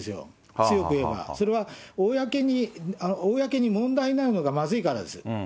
それは公に問題になるのがまずいからなんです。